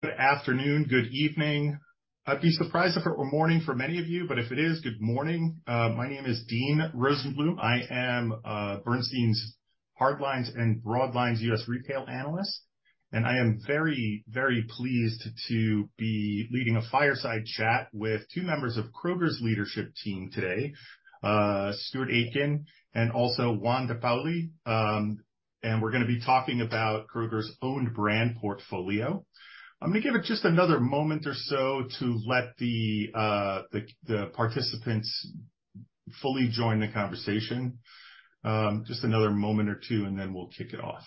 Good afternoon, good evening. I'd be surprised if it were morning for many of you, but if it is, good morning. My name is Dean Rosenblum. I am Bernstein's Hardlines and Broadlines U.S. Retail Analyst, and I am very, very pleased to be leading a fireside chat with two members of Kroger's leadership team today, Stuart Aitken, and also Juan De Paoli. And we're gonna be talking about Kroger's owned brand portfolio. I'm gonna give it just another moment or so to let the participants fully join the conversation. Just another moment or two, and then we'll kick it off.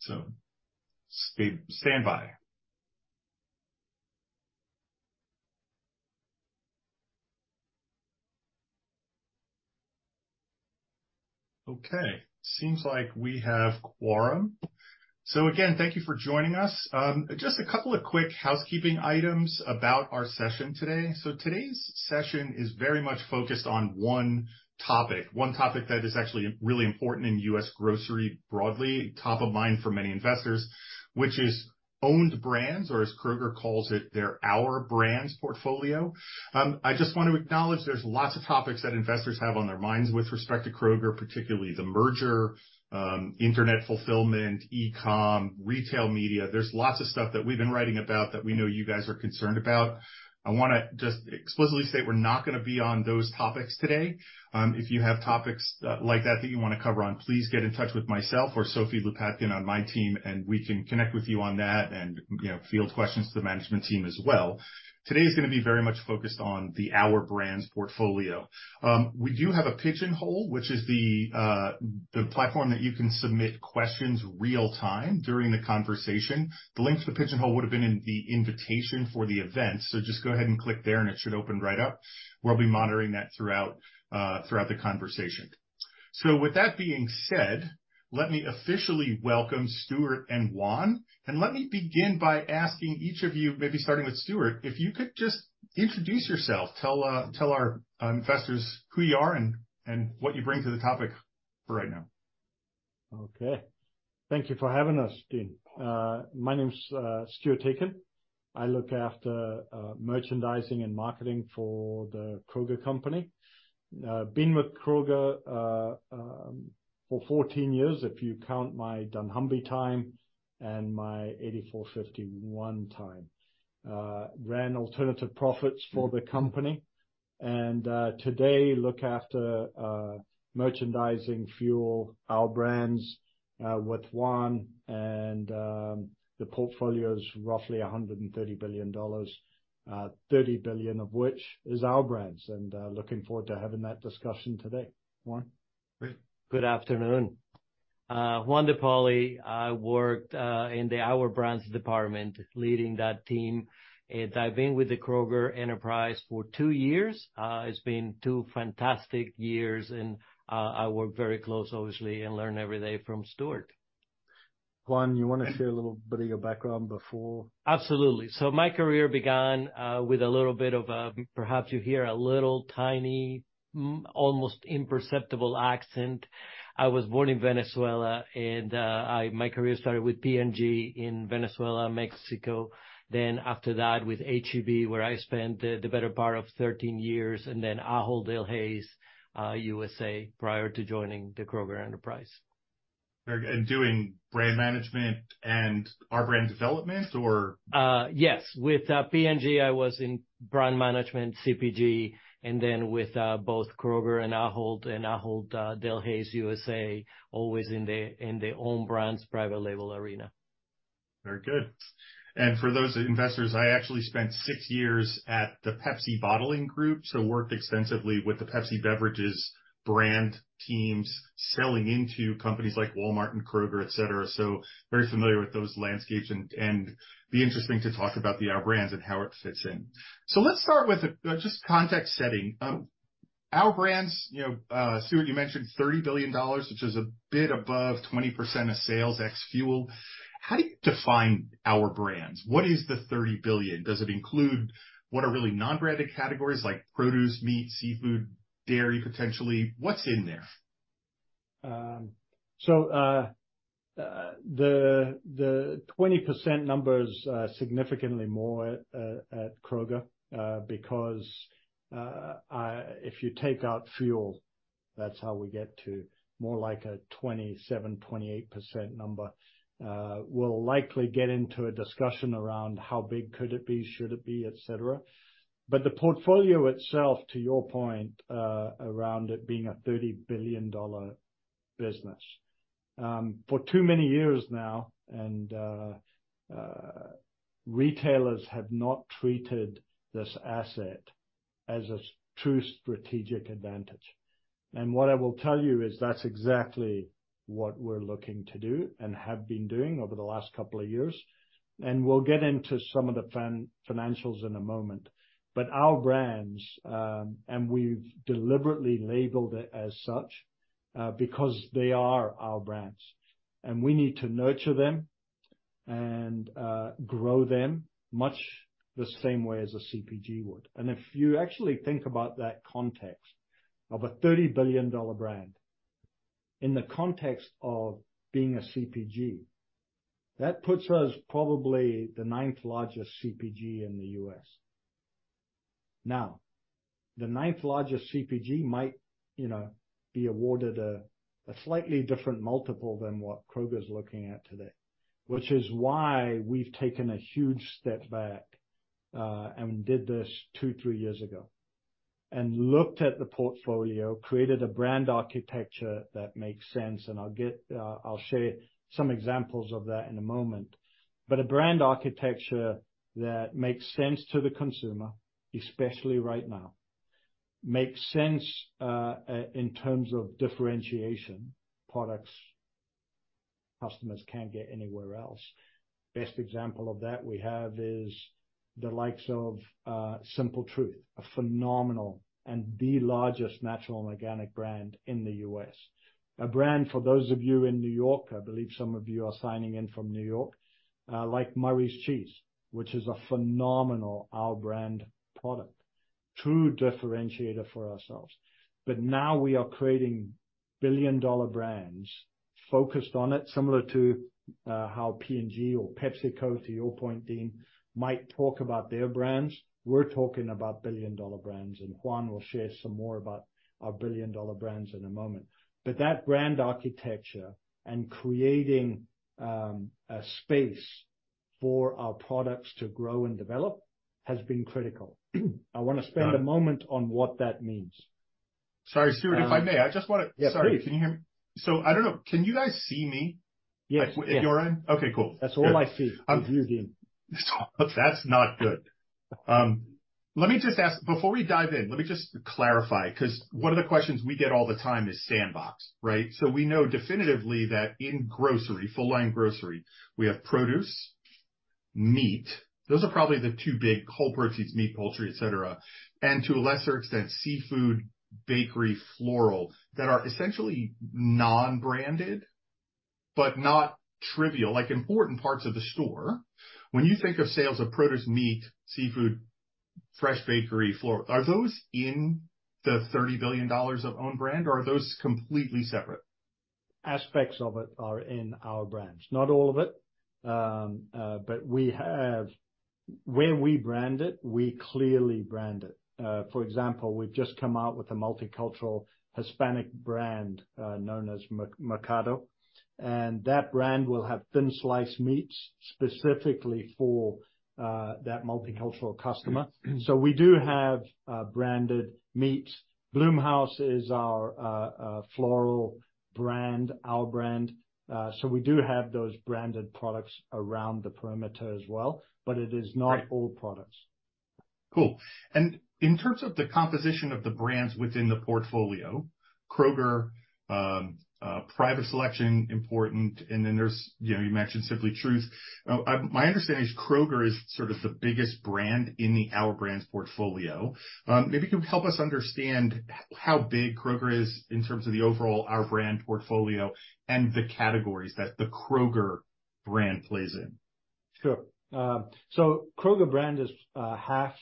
So stand by. Okay, seems like we have quorum. So again, thank you for joining us. Just a couple of quick housekeeping items about our session today. So today's session is very much focused on one topic, one topic that is actually really important in U.S. grocery, broadly, top of mind for many investors, which is owned brands, or as Kroger calls it, their Our Brands portfolio. I just want to acknowledge there's lots of topics that investors have on their minds with respect to Kroger, particularly the merger, internet fulfillment, e-com, retail media. There's lots of stuff that we've been writing about that we know you guys are concerned about. I wanna just explicitly state we're not gonna be on those topics today. If you have topics, like that, that you wanna cover on, please get in touch with myself or Sophie Lopatkin on my team, and we can connect with you on that and, you know, field questions to the management team as well. Today is gonna be very much focused on the Our Brands portfolio. We do have a Pigeonhole, which is the the platform that you can submit questions real time during the conversation. The link to the Pigeonhole would have been in the invitation for the event, so just go ahead and click there, and it should open right up. We'll be monitoring that throughout, throughout the conversation. So with that being said, let me officially welcome Stuart and Juan, and let me begin by asking each of you, maybe starting with Stuart, if you could just introduce yourself. Tell, tell our, investors who you are and, and what you bring to the topic for right now. Okay. Thank you for having us, Dean. My name is, Stuart Aitken. I look after, merchandising and marketing for the Kroger Company. Been with Kroger, for 14 years, if you count my dunnhumby time and my 84.51° time. Ran alternative profits for the company, and, today, look after, merchandising, fuel, Our Brands, with Juan, and, the portfolio is roughly $130 billion, $30 billion of which is Our Brands, and, looking forward to having that discussion today. Juan? Good afternoon. Juan De Paoli. I work in the Our Brands department, leading that team, and I've been with the Kroger enterprise for two years. It's been two fantastic years, and I work very close, obviously, and learn every day from Stuart. Juan, you want to share a little bit of your background before? Absolutely. So my career began with a little bit of a, perhaps you hear, a little, tiny, almost imperceptible accent. I was born in Venezuela, and my career started with P&G in Venezuela, Mexico. Then, after that, with H-E-B, where I spent the better part of 13 years, and then Ahold Delhaize USA, prior to joining the Kroger enterprise. Very good, and doing brand management and Our Brands development or? Yes. With P&G, I was in brand management, CPG, and then with both Kroger and Ahold Delhaize USA, always in the own brands, private label arena. Very good. And for those investors, I actually spent six years at the Pepsi Bottling Group, so worked extensively with the Pepsi Beverages brand teams, selling into companies like Walmart and Kroger, et cetera. So very familiar with those landscapes and be interesting to talk about the Our Brands and how it fits in. So let's start with just context setting. Our Brands, you know, Stuart, you mentioned $30 billion, which is a bit above 20% of sales, ex-fuel. How do you define Our Brands? What is the $30 billion? Does it include what are really non-branded categories, like produce, meat, seafood, dairy, potentially? What's in there? So, the 20% number is significantly more at Kroger, because if you take out fuel, that's how we get to more like a 27-28% number. We'll likely get into a discussion around how big could it be, should it be, et cetera. But the portfolio itself, to your point, around it being a $30 billion business. For too many years now, retailers have not treated this asset as a true strategic advantage, and what I will tell you is that's exactly what we're looking to do and have been doing over the last couple of years, and we'll get into some of the financials in a moment. But Our Brands, and we've deliberately labeled it as such, because they are Our Brands, and we need to nurture them and grow them much the same way as a CPG would. And if you actually think about that context of a $30 billion brand-... in the context of being a CPG, that puts us probably the ninth largest CPG in the U.S. Now, the ninth largest CPG might, you know, be awarded a slightly different multiple than what Kroger's looking at today, which is why we've taken a huge step back, and did this 2-3 years ago, and looked at the portfolio, created a brand architecture that makes sense, and I'll get... I'll share some examples of that in a moment. But a brand architecture that makes sense to the consumer, especially right now, makes sense in terms of differentiation, products customers can't get anywhere else. Best example of that we have is the likes of Simple Truth, a phenomenal and the largest natural and organic brand in the U.S. A brand for those of you in New York, I believe some of you are signing in from New York, like Murray's Cheese, which is a phenomenal our brand product. True differentiator for ourselves. But now we are creating billion-dollar brands focused on it, similar to how P&G or PepsiCo, to your point, Dean, might talk about their brands. We're talking about billion-dollar brands, and Juan will share some more about our billion-dollar brands in a moment. But that brand architecture and creating a space for our products to grow and develop has been critical. I want to spend a moment on what that means. Sorry, Stuart, if I may, I just want to- Yes, please. Sorry, can you hear me? I don't know. Can you guys see me? Yes. You're on? Okay, cool. That's all I see, is you, Dean. That's not good. Let me just ask, before we dive in, let me just clarify, 'cause one of the questions we get all the time is sandbox, right? So we know definitively that in grocery, full-line grocery, we have produce, meat. Those are probably the two big cold proteins, meat, poultry, et cetera, and to a lesser extent, seafood, bakery, floral, that are essentially non-branded, but not trivial, like, important parts of the store. When you think of sales of produce, meat, seafood, fresh bakery, floral, are those in the $30 billion of own brand, or are those completely separate? Aspects of it are in Our Brands. Not all of it, but we have where we brand it, we clearly brand it. For example, we've just come out with a multicultural Hispanic brand, known as Mercado, and that brand will have thin-sliced meats specifically for that multicultural customer. Yes. So we do have branded meats. Bloom Haus is our floral brand, our brand, so we do have those branded products around the perimeter as well, but it is not- Right. -all products. Cool. And in terms of the composition of the brands within the portfolio, Kroger, Private Selection important, and then there's, you know, you mentioned Simple Truth. My understanding is Kroger is sort of the biggest brand in the Our Brands portfolio. Maybe you can help us understand how big Kroger is in terms of the overall Our Brands portfolio and the categories that the Kroger brand plays in. Sure. So Kroger brand is half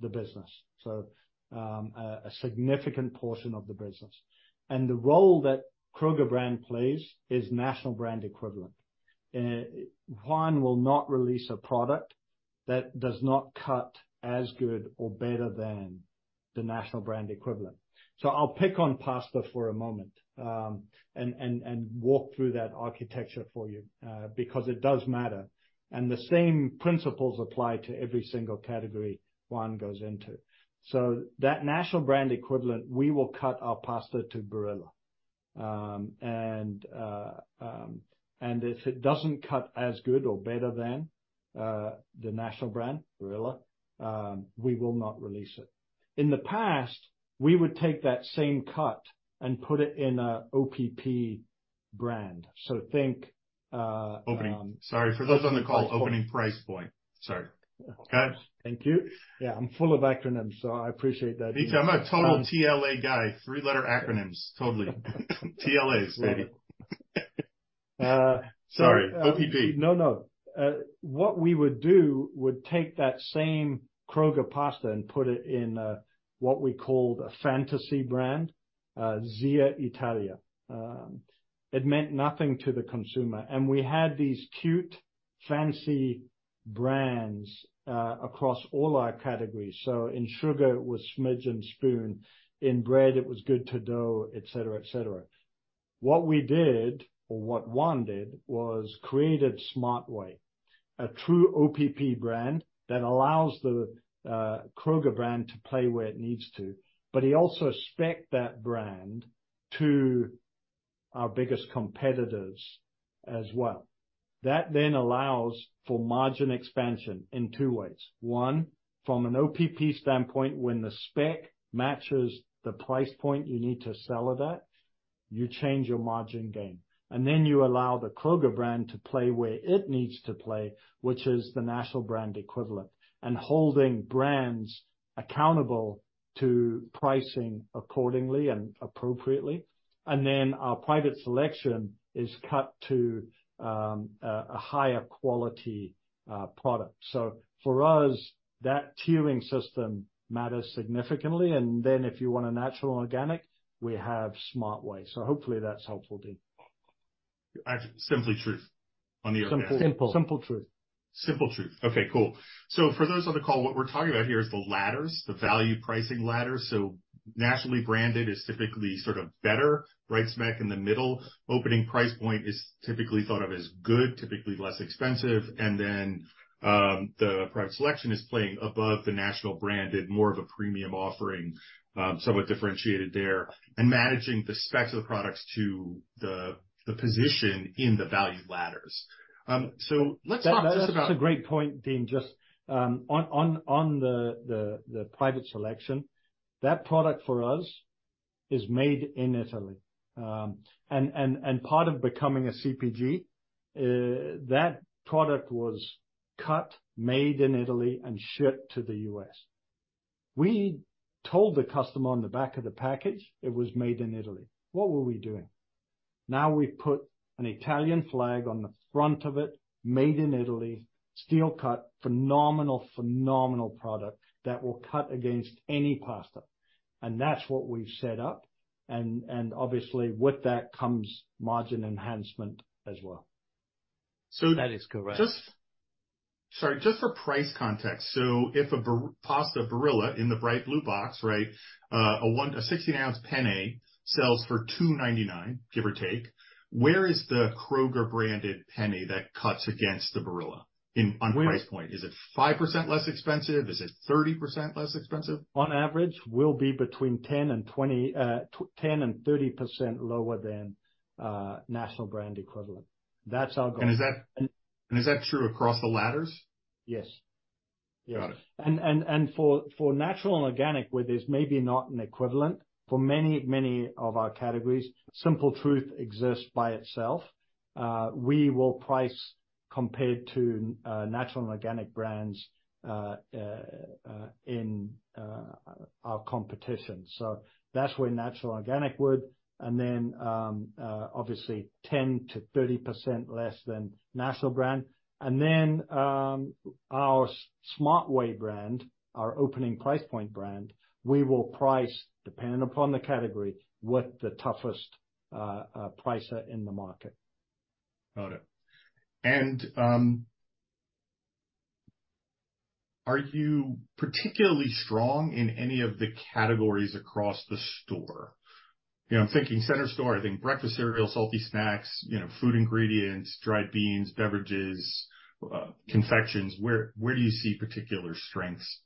the business, so a significant portion of the business, and the role that Kroger brand plays is national brand equivalent. Juan will not release a product that does not cut as good or better than the national brand equivalent. So I'll pick on pasta for a moment, and walk through that architecture for you, because it does matter, and the same principles apply to every single category Juan goes into. So that national brand equivalent, we will cut our pasta to Barilla. And if it doesn't cut as good or better than the national brand, Barilla, we will not release it. In the past, we would take that same cut and put it in a OPP brand. So think, Sorry, for those on the call, opening price point. Sorry. Okay. Thank you. Yeah, I'm full of acronyms, so I appreciate that. Me, I'm a total TLA guy. Three-letter acronyms, totally. TLAs, baby. Uh, so- Sorry. OPP. No, no. What we would do, would take that same Kroger pasta and put it in, what we called a fantasy brand, Zia Italia. It meant nothing to the consumer, and we had these cute, fancy brands, across all our categories. So in sugar, it was Smidge and Spoon, in bread, it was Good to Dough, et cetera, et cetera. What we did, or what Juan did, was created Smart Way, a true OPP brand that allows the, Kroger brand to play where it needs to, but he also specced that brand to our biggest competitors as well. That then allows for margin expansion in 2 ways: 1, from an OPP standpoint, when the spec matches the price point you need to sell it at, you change your margin gain, and then you allow the Kroger brand to play where it needs to play, which is the national brand equivalent, and holding brands accountable to pricing accordingly and appropriately. And then our Private Selection is cut to a higher quality product. So for us, that tiering system matters significantly, and then if you want a natural organic, we have Smart Way. So hopefully that's helpful, Dean.... Simple Truth, on the- Simple. Simple Truth. Simple Truth. Okay, cool. So for those on the call, what we're talking about here is the ladders, the value pricing ladders. So nationally branded is typically sort of better, right smack in the middle. Opening Price Point is typically thought of as good, typically less expensive. And then, the Private Selection is playing above the national branded, more of a premium offering, somewhat differentiated there, and managing the specs of the products to the, the position in the value ladders. So let's talk just about- That, that's a great point, Dean. Just, on the Private Selection, that product for us is made in Italy. And part of becoming a CPG, that product was cut, made in Italy and shipped to the U.S. We told the customer on the back of the package, it was made in Italy. What were we doing? Now we put an Italian flag on the front of it, made in Italy, steel cut, phenomenal, phenomenal product that will cut against any pasta. And that's what we've set up, and obviously, with that comes margin enhancement as well. So- That is correct. Just... Sorry, just for price context. So if a Barilla pasta in the bright blue box, right, a 1, a 16-ounce penne sells for $2.99, give or take. Where is the Kroger branded penne that cuts against the Barilla in, on price point? Is it 5% less expensive? Is it 30% less expensive? On average, will be between 10 and 20, 10 and 30% lower than national brand equivalent. That's our goal. Is that true across the ladders? Yes. Yes. Got it. For natural and organic, where there's maybe not an equivalent, for many, many of our categories, Simple Truth exists by itself. We will price compared to natural and organic brands in our competition. So that's where natural and organic would, and then obviously 10%-30% less than national brand. And then our Smart Way brand, our opening price point brand, we will price, depending upon the category, with the toughest pricer in the market. Got it. And, are you particularly strong in any of the categories across the store? You know, I'm thinking center store, I think breakfast cereal, salty snacks, you know, food ingredients, dried beans, beverages, confections. Where do you see particular strengths?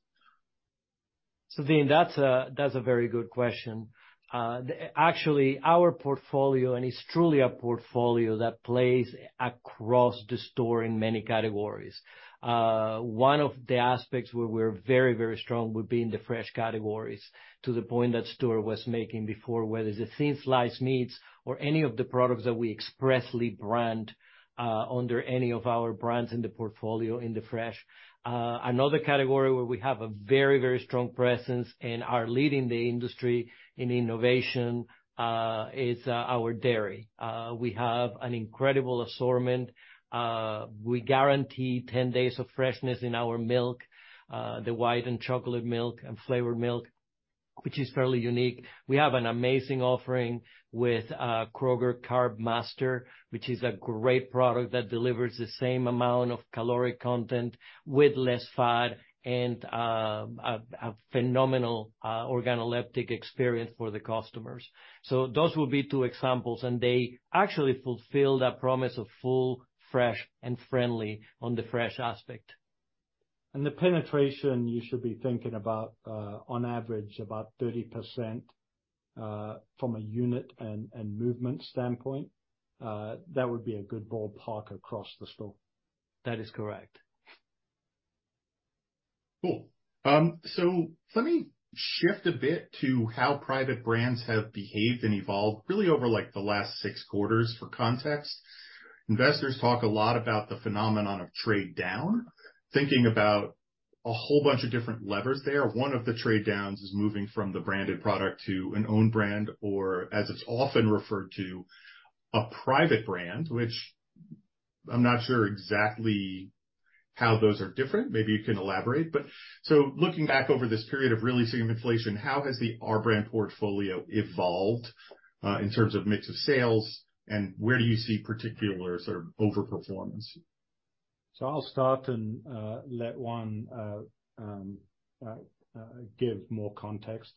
So, Dean, that's a very good question. Actually, our portfolio, and it's truly a portfolio that plays across the store in many categories. One of the aspects where we're very, very strong would be in the fresh categories, to the point that Stuart was making before, whether it's the thin-sliced meats or any of the products that we expressly brand under any of Our Brands in the portfolio, in the fresh. Another category where we have a very, very strong presence and are leading the industry in innovation is our dairy. We have an incredible assortment. We guarantee 10 days of freshness in our milk, the white and chocolate milk and flavored milk, which is fairly unique. We have an amazing offering with Kroger CarbMaster, which is a great product that delivers the same amount of caloric content with less fat and a phenomenal organoleptic experience for the customers. So those would be two examples, and they actually fulfill that promise of full, fresh, and friendly on the fresh aspect. The penetration you should be thinking about, on average, about 30%, from a unit and movement standpoint. That would be a good ballpark across the store. That is correct. Cool. So let me shift a bit to how private brands have behaved and evolved really over, like, the last six quarters, for context. Investors talk a lot about the phenomenon of trade down, thinking about a whole bunch of different levers there. One of the trade downs is moving from the branded product to an own brand, or as it's often referred to, a private brand, which I'm not sure exactly how those are different. Maybe you can elaborate. But so looking back over this period of really seeing inflation, how has the our brand portfolio evolved, in terms of mix of sales, and where do you see particular sort of overperformance? So I'll start and let Juan give more context.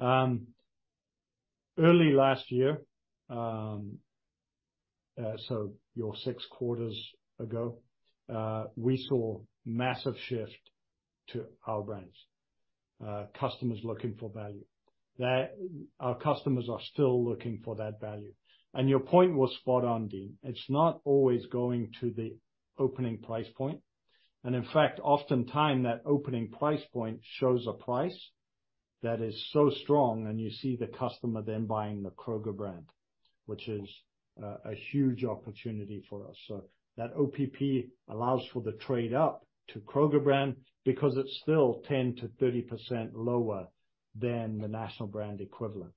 Early last year, so about six quarters ago, we saw massive shift to Our Brands. Customers looking for value. That, our customers are still looking for that value. And your point was spot on, Dean. It's not always going to the opening price point, and in fact, oftentimes that opening price point shows a price that is so strong, and you see the customer then buying the Kroger brand, which is a huge opportunity for us. So that OPP allows for the trade-up to Kroger brand because it's still 10%-30% lower than the national brand equivalent.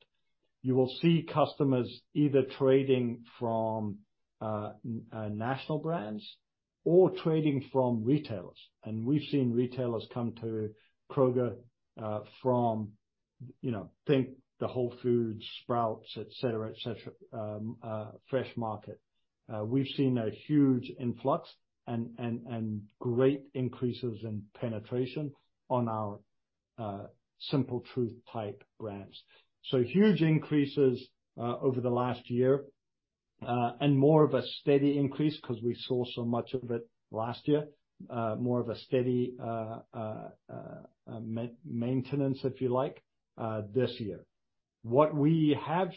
You will see customers either trading from national brands-... or trading from retailers, and we've seen retailers come to Kroger, from, you know, think the Whole Foods, Sprouts, et cetera, et cetera, Fresh Market. We've seen a huge influx and great increases in penetration on our Simple Truth type brands. So huge increases over the last year, and more of a steady increase 'cause we saw so much of it last year. More of a steady maintenance, if you like, this year. What we have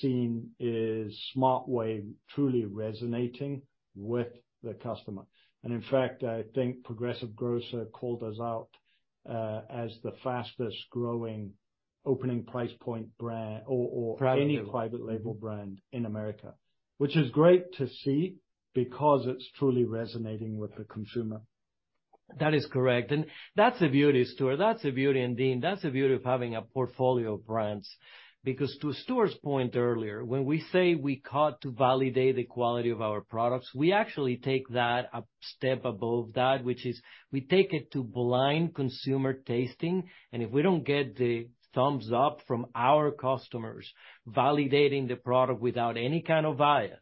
seen is Smart Way truly resonating with the customer. And in fact, I think Progressive Grocer called us out as the fastest growing opening price point brand or any private label brand in America, which is great to see because it's truly resonating with the consumer. That is correct, and that's the beauty, Stuart. That's the beauty, and Dean, that's the beauty of having a portfolio of brands, because to Stuart's point earlier, when we say we got to validate the quality of our products, we actually take that a step above that, which is we take it to blind consumer tasting, and if we don't get the thumbs up from our customers, validating the product without any kind of bias,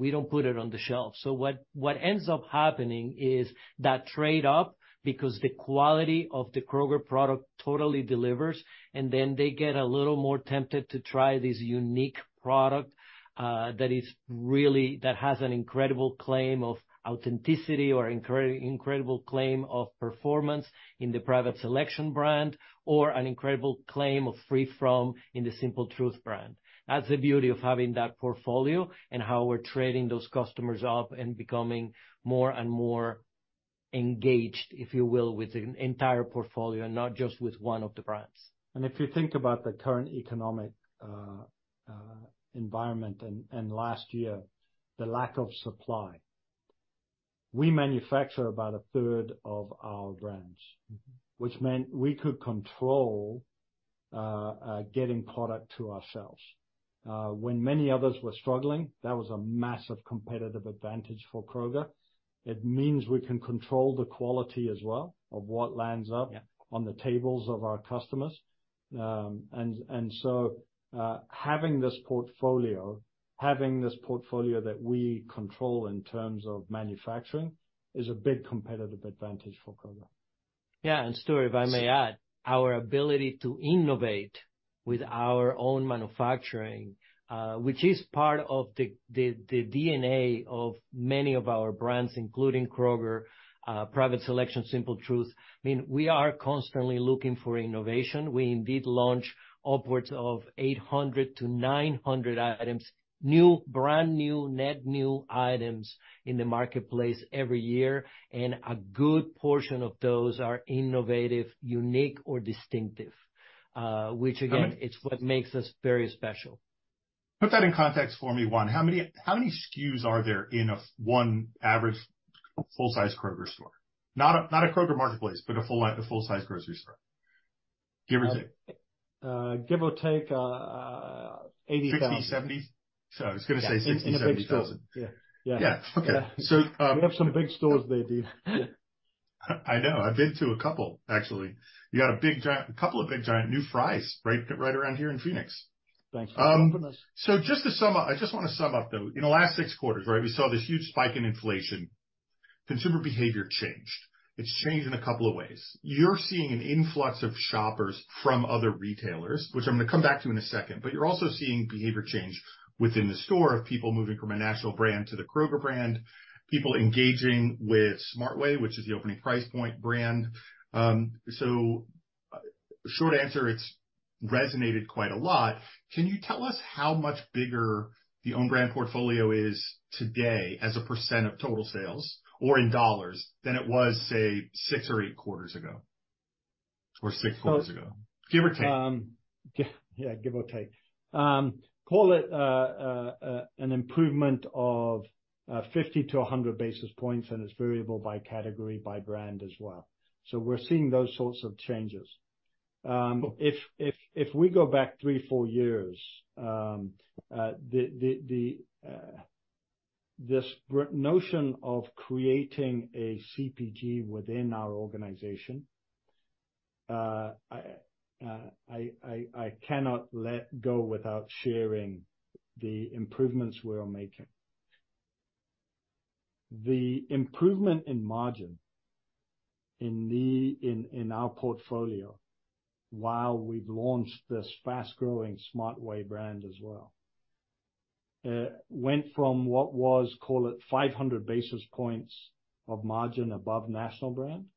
we don't put it on the shelf. So what ends up happening is that trade-up, because the quality of the Kroger product totally delivers, and then they get a little more tempted to try this unique product, that is really... That has an incredible claim of authenticity or incredible claim of performance in the Private Selection brand, or an incredible claim of free from in the Simple Truth brand. That's the beauty of having that portfolio and how we're trading those customers up and becoming more and more engaged, if you will, with the entire portfolio, and not just with one of the brands. If you think about the current economic environment and last year, the lack of supply, we manufacture about a third of Our Brands. Mm-hmm. Which meant we could control getting product to ourselves. When many others were struggling, that was a massive competitive advantage for Kroger. It means we can control the quality as well of what lands up- Yeah... on the tables of our customers. And so, having this portfolio that we control in terms of manufacturing, is a big competitive advantage for Kroger. Yeah, and Stuart, if I may add, our ability to innovate with our own manufacturing, which is part of the DNA of many of Our Brands, including Kroger, Private Selection, Simple Truth, I mean, we are constantly looking for innovation. We indeed launch upwards of 800-900 items, new, brand-new, net new items in the marketplace every year, and a good portion of those are innovative, unique or distinctive, which again, is what makes us very special. Put that in context for me. One, how many, how many SKUs are there in an average full-size Kroger store? Not a, not a Kroger Marketplace, but a full-like, a full-size grocery store, give or take? Give or take, 80,000. 60, 70? So I was gonna say 60-80,000. Yeah. Yeah. Yeah. Okay. So, We have some big stores there, Dean. I know. I've been to a couple, actually. You got a big giant... A couple of big, giant new Fry's, right, right around here in Phoenix. Thank you for coming to us. So just to sum up, I just want to sum up, though. In the last 6 quarters, right, we saw this huge spike in inflation. Consumer behavior changed. It's changed in a couple of ways. You're seeing an influx of shoppers from other retailers, which I'm going to come back to in a second, but you're also seeing behavior change within the store of people moving from a national brand to the Kroger brand, people engaging with Smart Way, which is the opening price point brand. So short answer, it's resonated quite a lot. Can you tell us how much bigger the own brand portfolio is today as a % of total sales or in dollars than it was, say, 6 or 8 quarters ago, or 6 quarters ago, give or take? Yeah, give or take. Call it an improvement of 50 - 100 basis points, and it's variable by category, by brand as well. So we're seeing those sorts of changes. If we go back 3-4 years, the notion of creating a CPG within our organization, I cannot let go without sharing the improvements we are making. The improvement in margin in our portfolio, while we've launched this fast-growing Smart Way brand as well, went from what was, call it, 500 basis points of margin above national brand-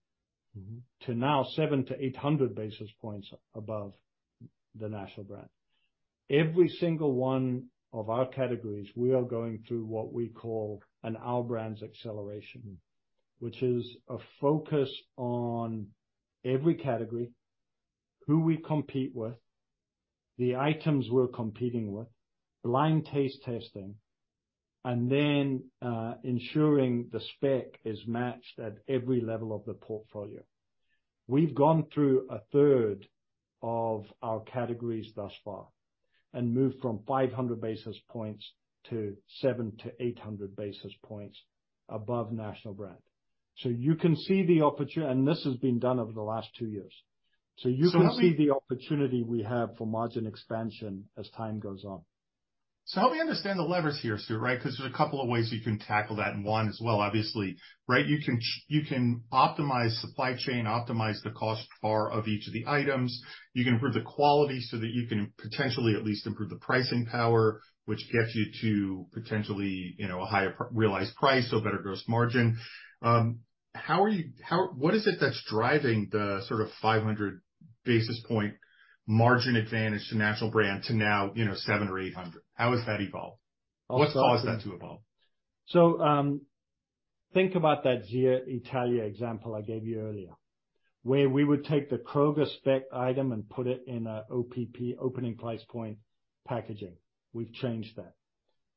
Mm-hmm... to now 700-800 basis points above the national brand. Every single one of our categories, we are going through what we call an Our Brands acceleration, which is a focus on every category, who we compete with, the items we're competing with, blind taste testing, and then ensuring the spec is matched at every level of the portfolio.... We've gone through a third of our categories thus far and moved from 500 basis points to 700-800 basis points above national brand. So you can see the opportunity, and this has been done over the last 2 years. So you can see the opportunity we have for margin expansion as time goes on. So help me understand the levers here, Stuart, right? Because there's a couple of ways you can tackle that, and one as well, obviously, right? You can you can optimize supply chain, optimize the cost bar of each of the items. You can improve the quality so that you can potentially at least improve the pricing power, which gets you to potentially, you know, a higher realized price or better gross margin. How are you, how, what is it that's driving the sort of 500 basis point margin advantage to national brand to now, you know, 700 or 800? How has that evolved? What's caused that to evolve? So, think about that Zia Italia example I gave you earlier, where we would take the Kroger spec item and put it in a OPP, opening price point, packaging. We've changed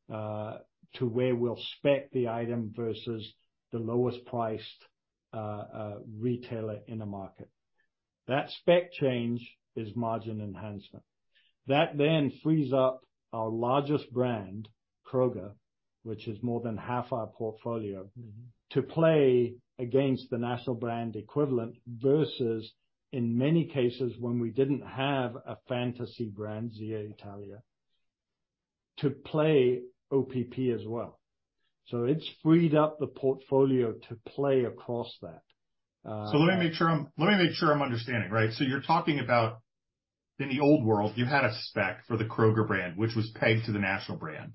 that, to where we'll spec the item versus the lowest priced retailer in the market. That spec change is margin enhancement. That then frees up our largest brand, Kroger, which is more than half our portfolio, to play against the national brand equivalent, versus in many cases, when we didn't have a fantasy brand, Zia Italia, to play OPP as well. So it's freed up the portfolio to play across that. So let me make sure I'm understanding, right? So you're talking about in the old world, you had a spec for the Kroger brand, which was pegged to the national brand,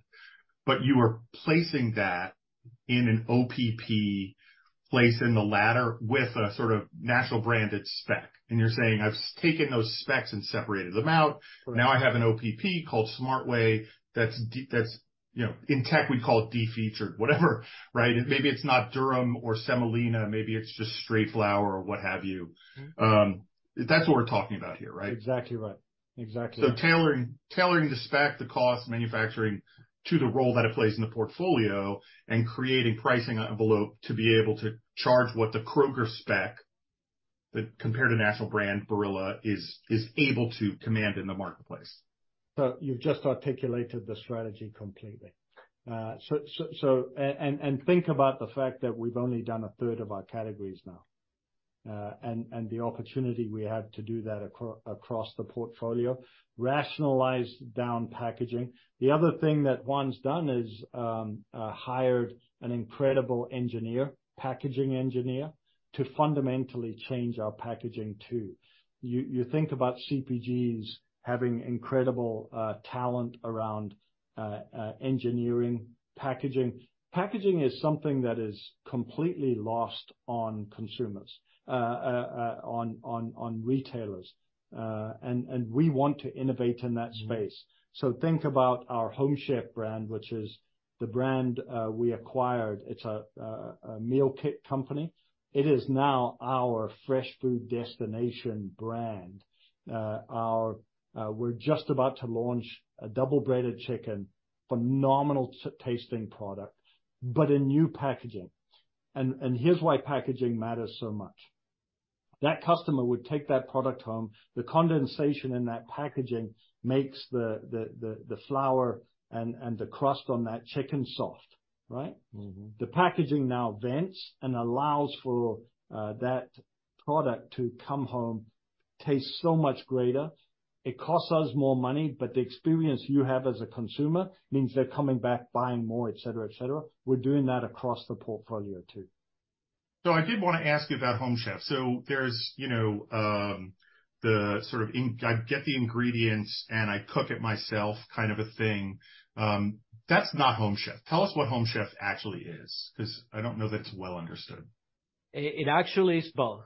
but you were placing that in an OPP place in the ladder with a sort of national branded spec, and you're saying, "I've taken those specs and separated them out. Now I have an OPP called Smart Way," that's, you know, in tech, we'd call it defeatured, whatever, right? Maybe it's not durum or semolina, maybe it's just straight flour or what have you. Mm-hmm. That's what we're talking about here, right? Exactly right. Exactly. Tailoring the spec, the cost, manufacturing to the role that it plays in the portfolio and creating pricing envelope to be able to charge what the Kroger spec, that compared to national brand Barilla, is able to command in the marketplace. So you've just articulated the strategy completely. So think about the fact that we've only done a third of our categories now, and the opportunity we have to do that across the portfolio, rationalize down packaging. The other thing that Juan's done is hired an incredible engineer, packaging engineer, to fundamentally change our packaging, too. You think about CPGs having incredible talent around engineering, packaging. Packaging is something that is completely lost on consumers, on retailers, and we want to innovate in that space. Mm-hmm. So think about our Home Chef brand, which is the brand we acquired. It's a meal kit company. It is now our fresh food destination brand. We're just about to launch a double-breaded chicken, phenomenal-tasting product, but in new packaging. And here's why packaging matters so much. That customer would take that product home, the condensation in that packaging makes the flour and the crust on that chicken soft, right? Mm-hmm. The packaging now vents and allows for that product to come home, taste so much greater. It costs us more money, but the experience you have as a consumer means they're coming back, buying more, et cetera, et cetera. We're doing that across the portfolio, too. So I did want to ask you about Home Chef. So there's, you know, the sort of I get the ingredients, and I cook it myself kind of a thing. That's not Home Chef. Tell us what Home Chef actually is, because I don't know that it's well understood. It actually is both.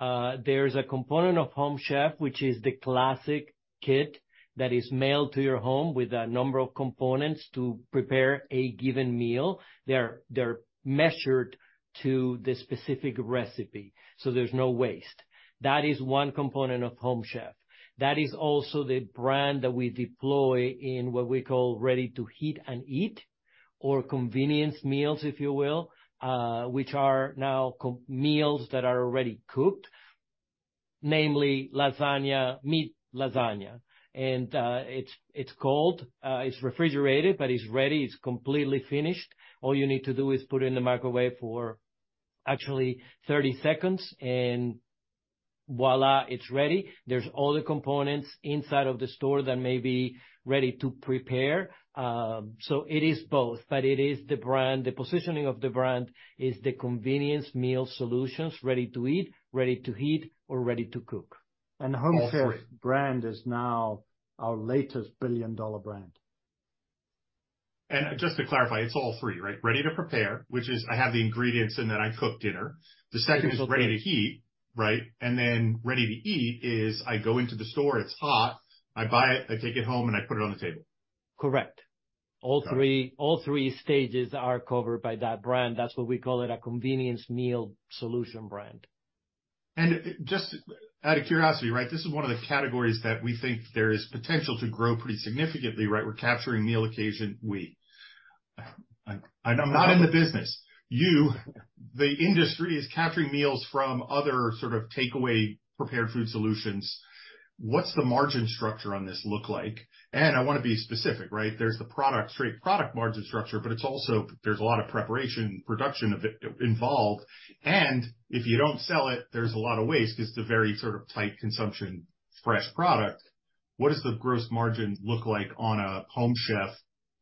There's a component of Home Chef, which is the classic kit that is mailed to your home with a number of components to prepare a given meal. They're measured to the specific recipe, so there's no waste. That is one component of Home Chef. That is also the brand that we deploy in what we call ready to heat and eat or convenience meals, if you will, which are now meals that are already cooked, namely lasagna, meat lasagna, and it's cold, it's refrigerated, but it's ready, it's completely finished. All you need to do is put it in the microwave for actually 30 seconds, and voila, it's ready. There's all the components inside of the store that may be ready to prepare. It is both, but it is the brand, the positioning of the brand is the convenience meal solutions, ready to eat, ready to heat, or ready to cook. All three. The Home Chef brand is now our latest billion-dollar brand. Just to clarify, it's all three, right? Ready to prepare, which is I have the ingredients and then I cook dinner. The second is ready to heat, right? And then ready to eat is I go into the store, it's hot, I buy it, I take it home, and I put it on the table. Correct. Got it. All three, all three stages are covered by that brand. That's why we call it a convenience meal solution brand. And just out of curiosity, right? This is one of the categories that we think there is potential to grow pretty significantly, right? We're capturing meal occasion week.... I, I'm not in the business. You, the industry, is capturing meals from other sort of takeaway prepared food solutions. What's the margin structure on this look like? And I wanna be specific, right? There's the product, straight product margin structure, but it's also there's a lot of preparation, production of it involved, and if you don't sell it, there's a lot of waste. It's a very sort of tight consumption, fresh product. What does the gross margin look like on a Home Chef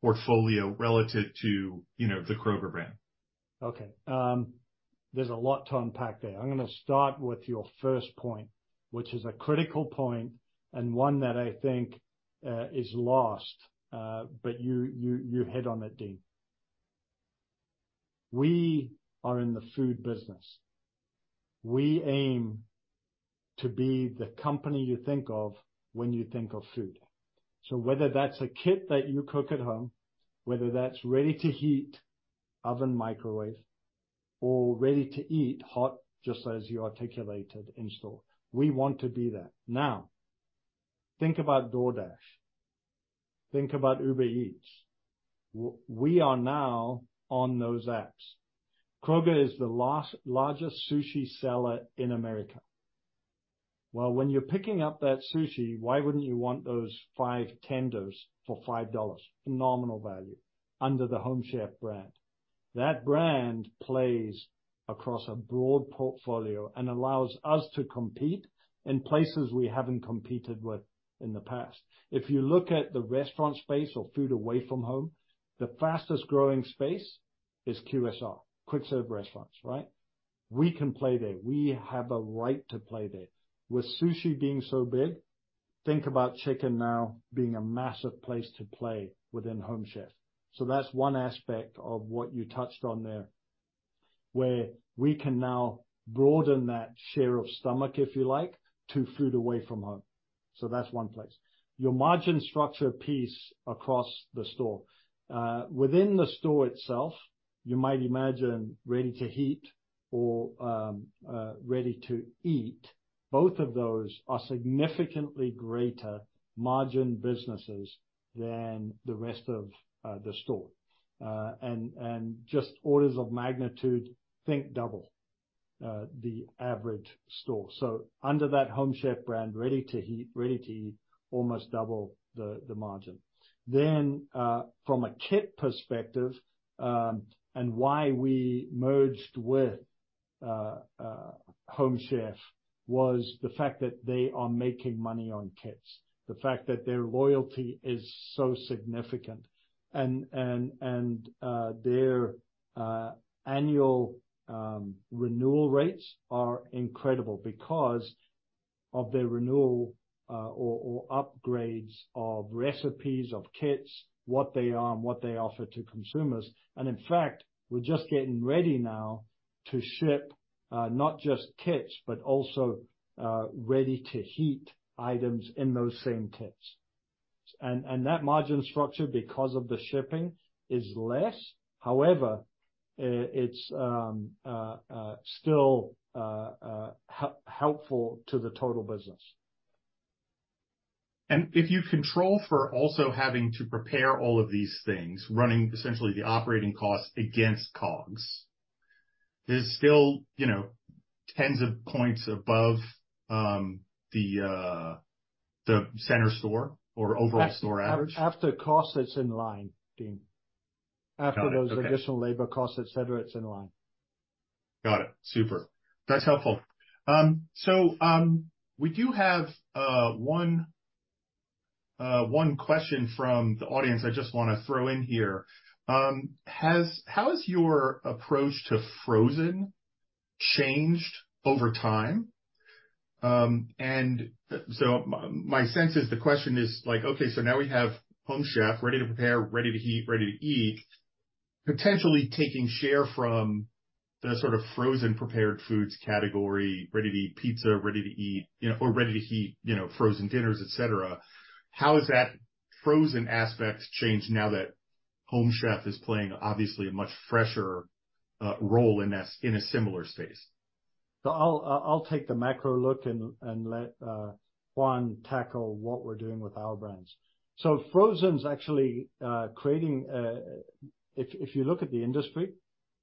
portfolio relative to, you know, the Kroger brand? Okay, there's a lot to unpack there. I'm gonna start with your first point, which is a critical point and one that I think is lost, but you hit on it, Dean. We are in the food business. We aim to be the company you think of when you think of food. So whether that's a kit that you cook at home, whether that's ready to heat, oven, microwave, or ready to eat hot, just as you articulated in store, we want to be that. Now, think about DoorDash. Think about Uber Eats. We are now on those apps. Kroger is the largest sushi seller in America. Well, when you're picking up that sushi, why wouldn't you want those 5 tenders for $5, nominal value, under the Home Chef brand? That brand plays across a broad portfolio and allows us to compete in places we haven't competed with in the past. If you look at the restaurant space or food away from home, the fastest growing space is QSR, quick serve restaurants, right? We can play there. We have a right to play there. With sushi being so big, think about chicken now being a massive place to play within Home Chef. So that's one aspect of what you touched on there, where we can now broaden that share of stomach, if you like, to food away from home. So that's one place. Your margin structure piece across the store. Within the store itself, you might imagine ready to heat or ready to eat, both of those are significantly greater margin businesses than the rest of the store. And just orders of magnitude, think double the average store. So under that Home Chef brand, ready to heat, ready to eat, almost double the margin. Then from a kit perspective, and why we merged with Home Chef was the fact that they are making money on kits. The fact that their loyalty is so significant and their annual renewal rates are incredible because of their renewal or upgrades of recipes, of kits, what they are and what they offer to consumers. And in fact, we're just getting ready now to ship not just kits, but also ready to heat items in those same kits. And that margin structure, because of the shipping, is less. However, it's still helpful to the total business. If you control for also having to prepare all of these things, running essentially the operating costs against COGS, there's still, you know, tens of points above the center store or overall store average. After cost, that's in line, Dean. Got it. Okay. After those additional labor costs, et cetera, it's in line. Got it. Super. That's helpful. So, we do have one question from the audience I just wanna throw in here. How has your approach to frozen changed over time? And so my sense is the question is like, okay, so now we have Home Chef ready to prepare, ready to heat, ready to eat, potentially taking share from the sort of frozen prepared foods category, ready to eat pizza, ready to eat, you know, or ready to heat, you know, frozen dinners, et cetera. How has that frozen aspect changed now that Home Chef is playing obviously a much fresher role in that, in a similar space? So I'll take the macro look and let Juan tackle what we're doing with Our Brands. So frozen's actually creating. If you look at the industry,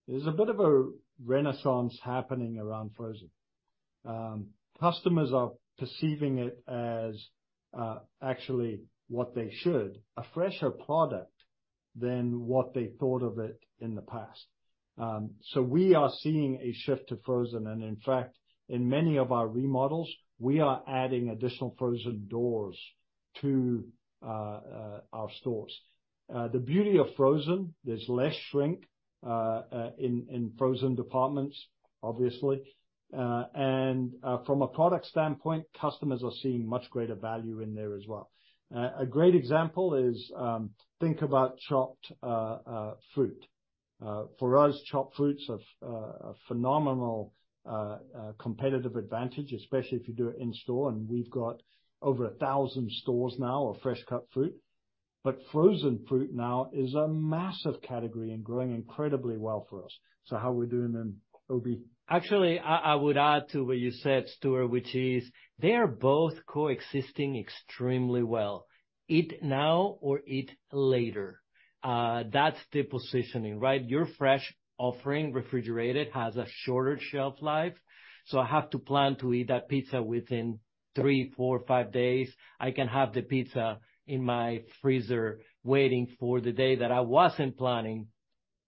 there's a bit of a renaissance happening around frozen. Customers are perceiving it as actually what they should, a fresher product than what they thought of it in the past. So we are seeing a shift to frozen, and in fact, in many of our remodels, we are adding additional frozen doors to our stores. The beauty of frozen, there's less shrink in frozen departments, obviously, and from a product standpoint, customers are seeing much greater value in there as well. A great example is, think about chopped fruit. For us, chopped fruit's a phenomenal competitive advantage, especially if you do it in store, and we've got over 1,000 stores now of fresh cut fruit. But frozen fruit now is a massive category and growing incredibly well for us. So how we doing then, OB? Actually, I would add to what you said, Stuart, which is they are both coexisting extremely well. Eat now or eat later, that's the positioning, right? Your fresh offering, refrigerated, has a shorter shelf life, so I have to plan to eat that pizza within three, four, five days. I can have the pizza in my freezer waiting for the day that I wasn't planning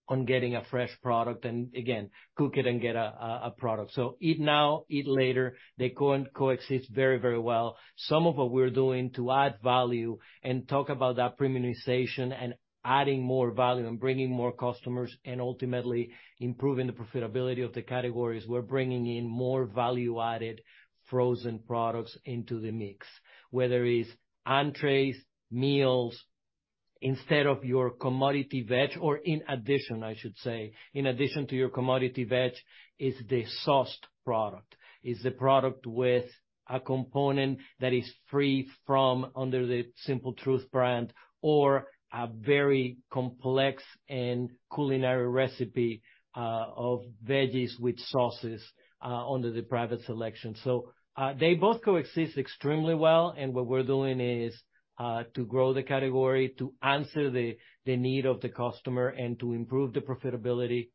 on getting a fresh product, and again, cook it and get a product. So eat now, eat later, they coexist very, very well. Some of what we're doing to add value and talk about that premiumization and adding more value and bringing more customers and ultimately improving the profitability of the categories, we're bringing in more value-added frozen products into the mix, whether it's entrees, meals, instead of your commodity veg or in addition, I should say, in addition to your commodity veg, is the sauced product. Is the product with a component that is free from under the Simple Truth brand, or a very complex and culinary recipe, of veggies with sauces, under the Private Selection. So, they both coexist extremely well, and what we're doing is, to grow the category, to answer the, the need of the customer and to improve the profitability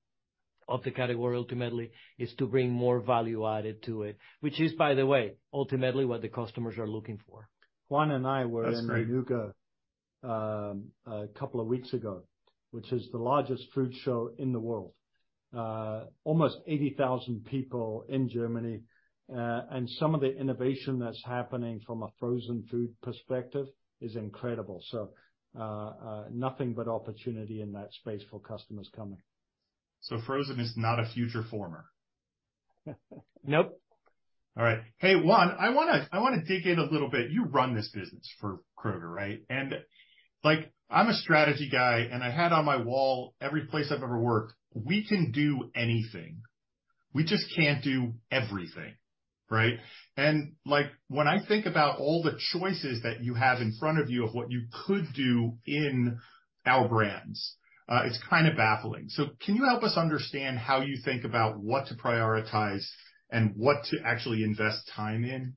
of the category, ultimately, is to bring more value added to it, which is, by the way, ultimately what the customers are looking for. Juan and I were- That's great. in Anuga, a couple of weeks ago, which is the largest food show in the world. Almost 80,000 people in Germany, and some of the innovation that's happening from a frozen food perspective is incredible. So, nothing but opportunity in that space for customers coming. So, frozen is not a future former? Nope. All right. Hey, Juan, I wanna dig in a little bit. You run this business for Kroger, right? And, like, I'm a strategy guy, and I had on my wall every place I've ever worked, we can do anything. We just can't do everything, right? And, like, when I think about all the choices that you have in front of you of what you could do in Our Brands, it's kind of baffling. So can you help us understand how you think about what to prioritize and what to actually invest time in?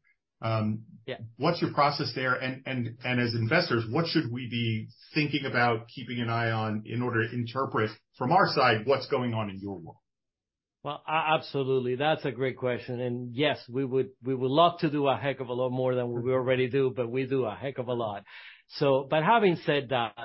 Yeah. What's your process there? And as investors, what should we be thinking about keeping an eye on in order to interpret from our side what's going on in your world? Well, absolutely, that's a great question. And yes, we would, we would love to do a heck of a lot more than we already do, but we do a heck of a lot. So but having said that,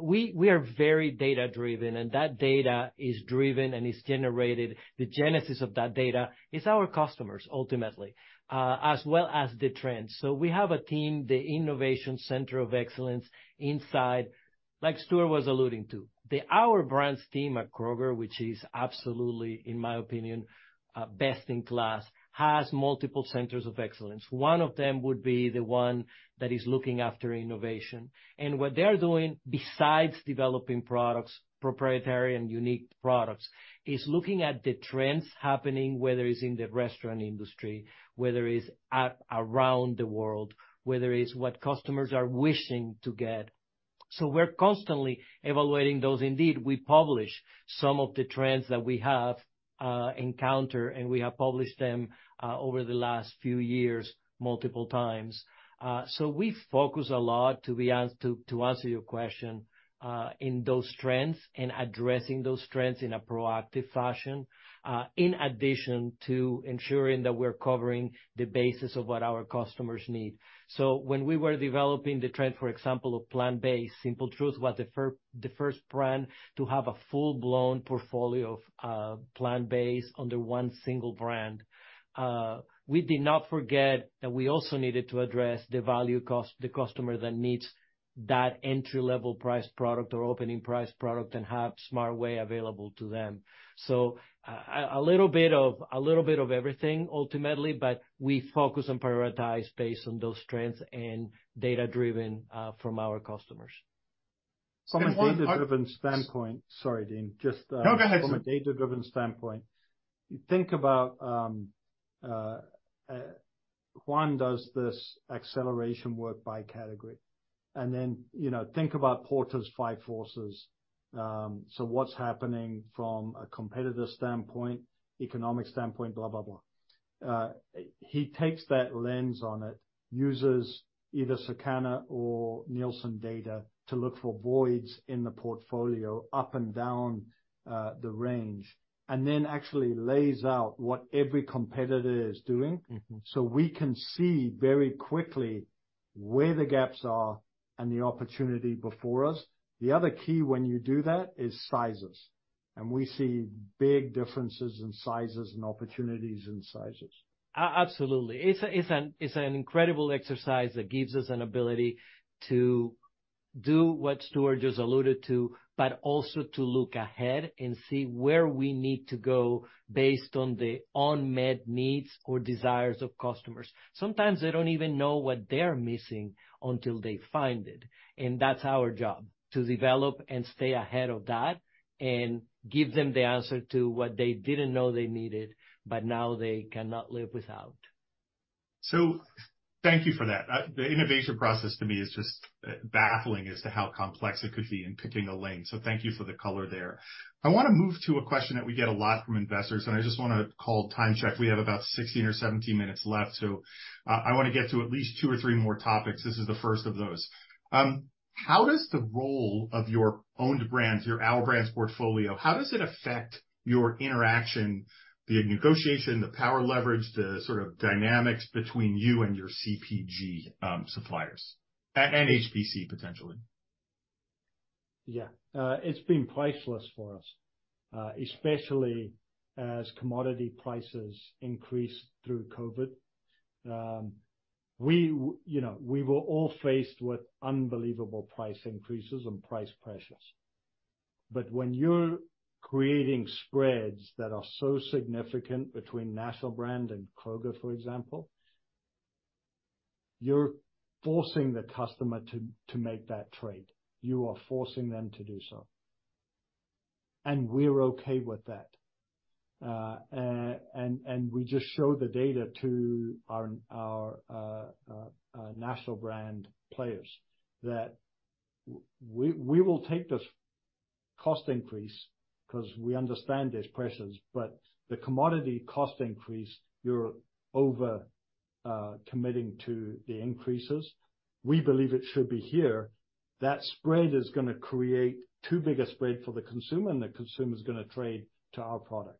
we, we are very data-driven, and that data is driven and is generated, the genesis of that data is our customers, ultimately, as well as the trends. So we have a team, the Innovation Center of Excellence, inside... Like Stuart was alluding to, the Our Brands team at Kroger, which is absolutely, in my opinion, best in class, has multiple centers of excellence. One of them would be the one that is looking after innovation, and what they are doing, besides developing products, proprietary and unique products, is looking at the trends happening, whether it's in the restaurant industry, whether it's around the world, whether it's what customers are wishing to get. So we're constantly evaluating those. Indeed, we publish some of the trends that we have encountered, and we have published them over the last few years, multiple times. So we focus a lot, to be honest, to answer your question, in those trends and addressing those trends in a proactive fashion, in addition to ensuring that we're covering the basis of what our customers need. So when we were developing the trend, for example, of plant-based, Simple Truth was the first brand to have a full-blown portfolio of plant-based under one single brand. We did not forget that we also needed to address the value cost, the customer that needs that entry-level price product or opening price product and have Smart Way available to them. A little bit of everything ultimately, but we focus and prioritize based on those trends and data-driven from our customers. From a data-driven standpoint... Sorry, Dean, just, No, go ahead, Stuart. From a data-driven standpoint, you think about, Juan does this acceleration work by category, and then, you know, think about Porter's Five Forces. So what's happening from a competitor standpoint, economic standpoint, blah, blah, blah. He takes that lens on it, uses either Circana or Nielsen data to look for voids in the portfolio up and down, the range, and then actually lays out what every competitor is doing. Mm-hmm. So we can see very quickly where the gaps are and the opportunity before us. The other key when you do that is sizes, and we see big differences in sizes and opportunities in sizes. Absolutely. It's an incredible exercise that gives us an ability to do what Stuart just alluded to, but also to look ahead and see where we need to go based on the unmet needs or desires of customers. Sometimes they don't even know what they're missing until they find it, and that's our job, to develop and stay ahead of that and give them the answer to what they didn't know they needed, but now they cannot live without.... So thank you for that. The innovation process to me is just baffling as to how complex it could be in picking a lane, so thank you for the color there. I want to move to a question that we get a lot from investors, and I just want to call time check. We have about 16 or 17 minutes left, so I want to get to at least 2 or 3 more topics. This is the first of those. How does the role of your owned brands, your Our Brands portfolio, how does it affect your interaction, the negotiation, the power leverage, the sort of dynamics between you and your CPG suppliers, and HPC, potentially? Yeah. It's been priceless for us, especially as commodity prices increased through COVID. We, you know, we were all faced with unbelievable price increases and price pressures. But when you're creating spreads that are so significant between national brand and Kroger, for example, you're forcing the customer to make that trade. You are forcing them to do so, and we're okay with that. We just show the data to our national brand players that we will take this cost increase because we understand there's pressures, but the commodity cost increase, you're over committing to the increases. We believe it should be here. That spread is gonna create too big a spread for the consumer, and the consumer is gonna trade to our product.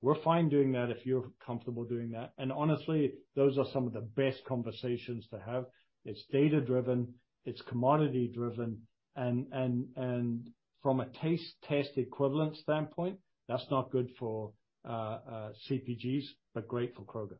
We're fine doing that if you're comfortable doing that, and honestly, those are some of the best conversations to have. It's data-driven, it's commodity-driven, and, and, and from a taste test equivalent standpoint, that's not good for CPGs, but great for Kroger.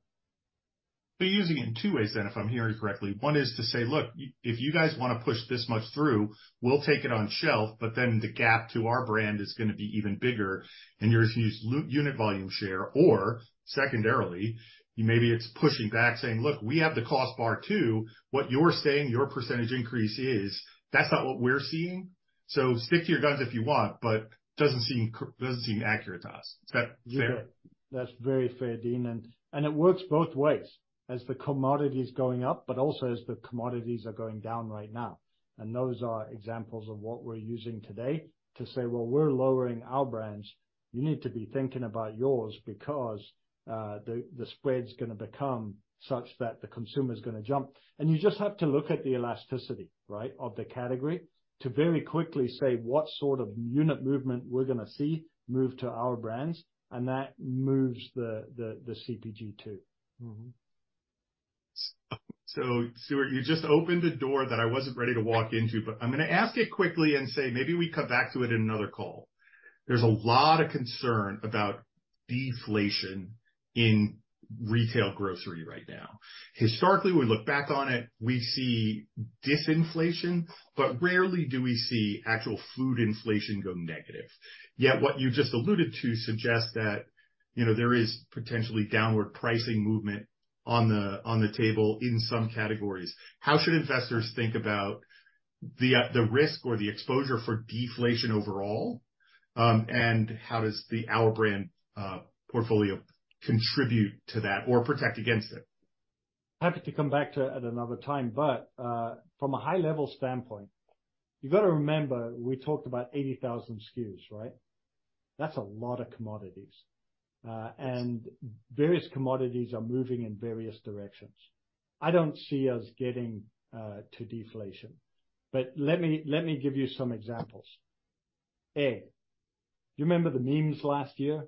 So you're using it in two ways then, if I'm hearing you correctly. One is to say: Look, if you guys want to push this much through, we'll take it on shelf, but then the gap to our brand is gonna be even bigger, and you're gonna lose unit volume share. Or secondarily, maybe it's pushing back, saying: Look, we have the cost bar, too. What you're saying your % increase is, that's not what we're seeing, so stick to your guns if you want, but doesn't seem accurate to us. Is that fair? Yeah, that's very fair, Dean, and it works both ways, as the commodity's going up, but also as the commodities are going down right now. And those are examples of what we're using today to say, "Well, we're lowering Our Brands. You need to be thinking about yours because the spread's gonna become such that the consumer's gonna jump." And you just have to look at the elasticity, right, of the category to very quickly say what sort of unit movement we're gonna see move to Our Brands, and that moves the CPG, too. Mm-hmm. So Stuart, you just opened a door that I wasn't ready to walk into, but I'm gonna ask it quickly and say maybe we come back to it in another call. There's a lot of concern about deflation in retail grocery right now. Historically, we look back on it, we see disinflation, but rarely do we see actual food inflation go negative. Yet, what you just alluded to suggests that, you know, there is potentially downward pricing movement on the, on the table in some categories. How should investors think about the, the risk or the exposure for deflation overall? And how does the Our Brands, portfolio contribute to that or protect against it? Happy to come back to that another time, but, from a high-level standpoint, you've got to remember, we talked about 80,000 SKUs, right? That's a lot of commodities. And various commodities are moving in various directions. I don't see us getting to deflation, but let me, let me give you some examples. Egg. Do you remember the memes last year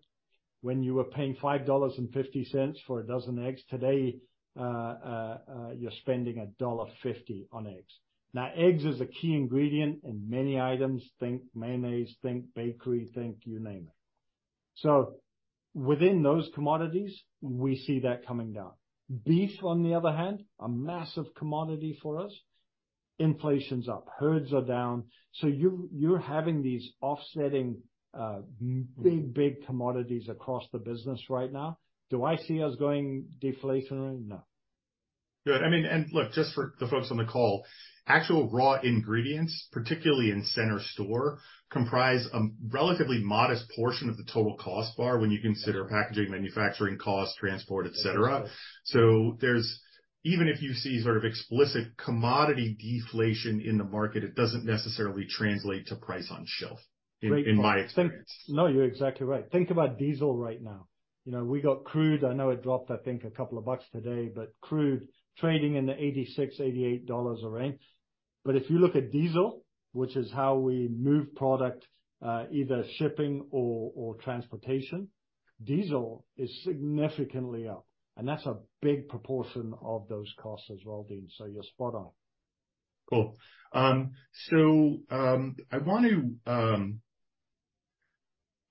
when you were paying $5.50 for a dozen eggs? Today, you're spending $1.50 on eggs. Now, eggs is a key ingredient in many items, think mayonnaise, think bakery, think you name it. So within those commodities, we see that coming down. Beef, on the other hand, a massive commodity for us, inflation's up, herds are down, so you're, you're having these offsetting, big, big commodities across the business right now. Do I see us going deflationary? No. Good. I mean, and look, just for the folks on the call, actual raw ingredients, particularly in center store, comprise a relatively modest portion of the total cost bar when you consider packaging, manufacturing costs, transport, et cetera. That's right. So there's... Even if you see sort of explicit commodity deflation in the market, it doesn't necessarily translate to price on shelf- Right in my experience. No, you're exactly right. Think about diesel right now. You know, we got crude, I know it dropped, I think, $2 today, but crude trading in the $86-$88 a barrel. But if you look at diesel, which is how we move product, either shipping or transportation, diesel is significantly up, and that's a big proportion of those costs as well, Dean, so you're spot on. Cool. So, I want to,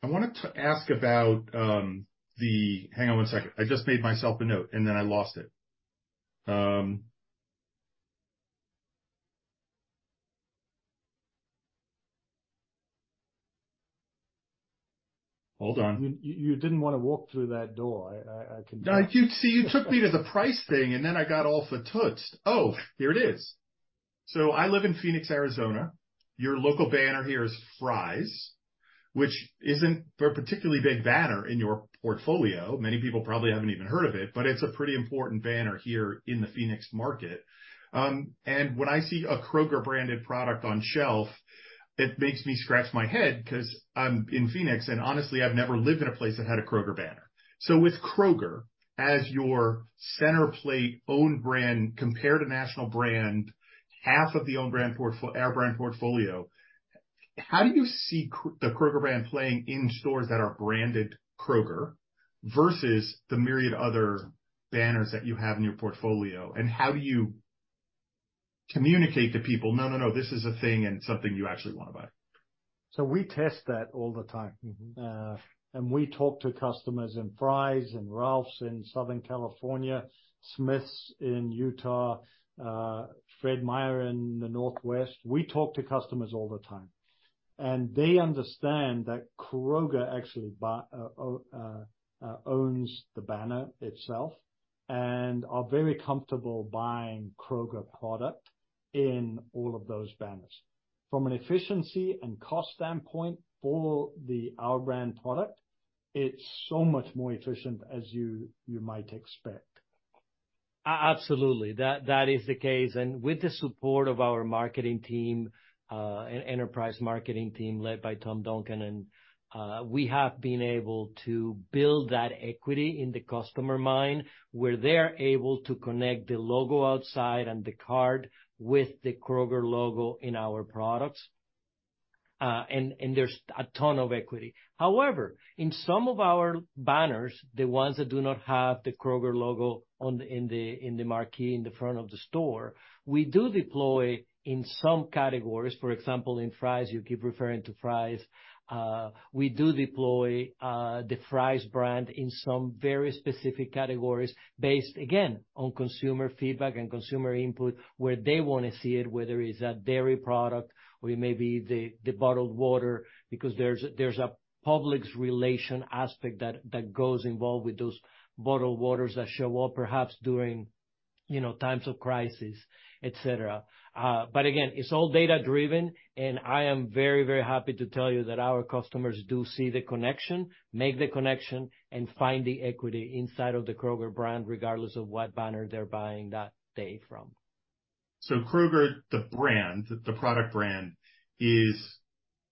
I wanted to ask about, the... Hang on one second. I just made myself a note, and then I lost it. Hold on. You didn't want to walk through that door. I can tell. You see, you took me to the price thing, and then I got all flustered. Oh, here it is! So I live in Phoenix, Arizona. Your local banner here is Fry's, which isn't a particularly big banner in your portfolio. Many people probably haven't even heard of it, but it's a pretty important banner here in the Phoenix market. And when I see a Kroger-branded product on shelf, it makes me scratch my head 'cause I'm in Phoenix, and honestly, I've never lived in a place that had a Kroger banner. So with Kroger as your center plate own brand compared to national brand, half of the own brand portfolio, our brand portfolio, how do you see the Kroger brand playing in stores that are branded Kroger versus the myriad other banners that you have in your portfolio? How do you communicate to people, "No, no, no, this is a thing and something you actually want to buy? We test that all the time. Mm-hmm. And we talk to customers in Fry's and Ralphs in Southern California, Smith's in Utah, Fred Meyer in the Northwest. We talk to customers all the time, and they understand that Kroger actually owns the banner itself, and are very comfortable buying Kroger product in all of those banners. From an efficiency and cost standpoint, for our brand product, it's so much more efficient as you might expect. Absolutely, that is the case, and with the support of our marketing team, and enterprise marketing team, led by Tom Duncan, and we have been able to build that equity in the customer mind, where they're able to connect the logo outside and the card with the Kroger logo in our products. And there's a ton of equity. However, in some of our banners, the ones that do not have the Kroger logo on the marquee in the front of the store, we do deploy in some categories... For example, in Fry's, you keep referring to Fry's. We do deploy the Fry's brand in some very specific categories based, again, on consumer feedback and consumer input, where they wanna see it, whether it's a dairy product or it may be the bottled water, because there's a public relations aspect that goes involved with those bottled waters that show up, perhaps during, you know, times of crisis, et cetera. But again, it's all data-driven, and I am very, very happy to tell you that our customers do see the connection, make the connection, and find the equity inside of the Kroger brand, regardless of what banner they're buying that day from. So Kroger, the brand, the product brand, is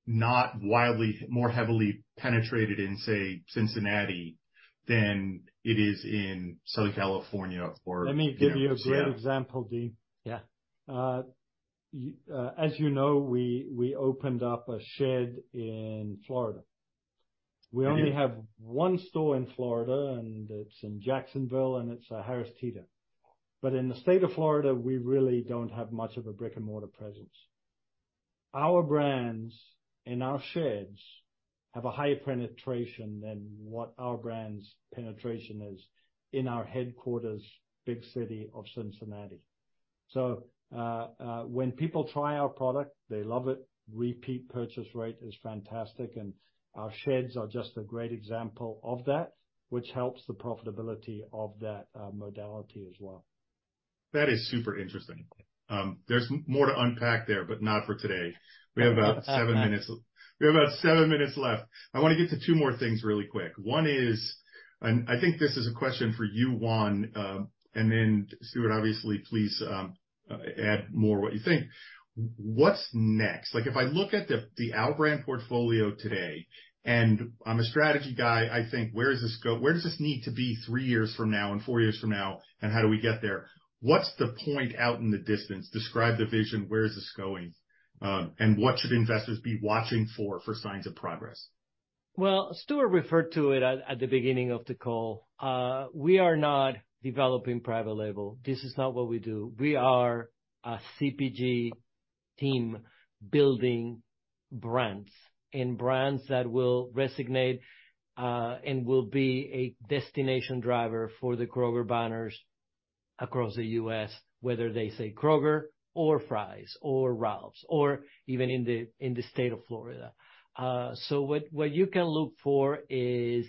not widely more heavily penetrated in, say, Cincinnati, than it is in Southern California or- Let me give you a great example, Dean. Yeah. As you know, we opened up a shed in Florida. We did. We only have one store in Florida, and it's in Jacksonville, and it's a Harris Teeter. But in the state of Florida, we really don't have much of a brick-and-mortar presence. Our Brands and our sheds have a higher penetration than what Our Brands' penetration is in our headquarters, big city of Cincinnati. So, when people try our product, they love it. Repeat purchase rate is fantastic, and our sheds are just a great example of that, which helps the profitability of that, modality as well. That is super interesting. There's more to unpack there, but not for today. We have about seven minutes, we have about seven minutes left. I wanna get to two more things really quick. One is, and I think this is a question for you, Juan, and then Stuart, obviously, please, add more what you think. What's next? Like, if I look at the Our Brands portfolio today, and I'm a strategy guy, I think, where does this go? Where does this need to be three years from now and four years from now, and how do we get there? What's the point out in the distance? Describe the vision. Where is this going, and what should investors be watching for, for signs of progress? Well, Stuart referred to it at the beginning of the call. We are not developing private label. This is not what we do. We are a CPG team building brands and brands that will resonate and will be a destination driver for the Kroger banners across the U.S., whether they say Kroger or Fry's or Ralphs or even in the state of Florida. So what you can look for is